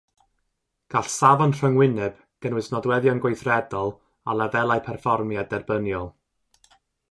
Gall safon rhyngwyneb gynnwys nodweddion gweithredol a lefelau perfformiad derbyniol.